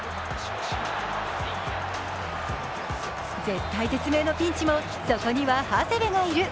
絶体絶命のピンチもそこには長谷部がいる。